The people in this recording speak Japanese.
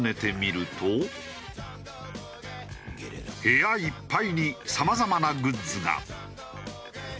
部屋いっぱいにさまざまなグッズが。